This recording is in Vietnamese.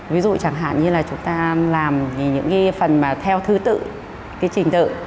ví dụ chẳng hạn như là chúng ta làm những cái phần mà theo thư tự